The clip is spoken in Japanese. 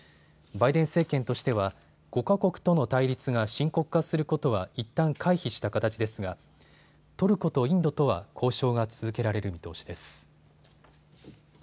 バイデン政権としては５か国との対立が深刻化することはいったん回避した形ですがトルコとインドとは交渉が続けられる見通しです。